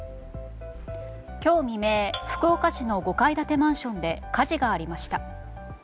今日未明福岡市の５階建てマンションで火事がありました。